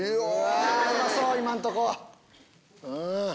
うまそう今んとこ。